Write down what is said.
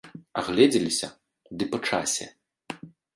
Агледзеліся, ды па часе.